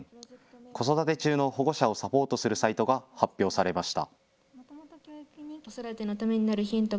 子育て中の保護者をサポートするサイトが発表されました。